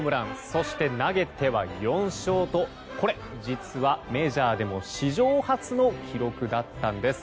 そして投げては４勝と実はメジャーでも史上初の記録だったんです。